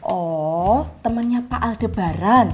oh temennya pak aldebaran